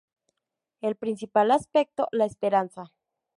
El principal aspecto, la esperanza.